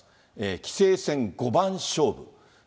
棋聖戦五番勝負。